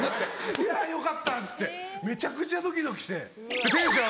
「いやよかった」っつってめちゃくちゃドキドキしてテンション上がった。